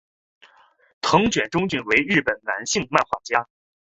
藤卷忠俊为日本的男性漫画家。